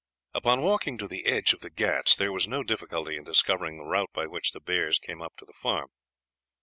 Upon walking to the edge of the Ghauts there was no difficulty in discovering the route by which the bears came up to the farm.